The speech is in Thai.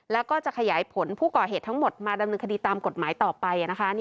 แล้วก็จะขยายผลผู้ก่อเหตุทั้งหมดมาดำเนินคดีตามกฎหมายต่อไปนะคะ